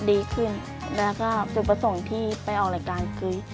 ดีขึ้นแล้วก็จุดประสงค์ที่ไปออกรายการคือ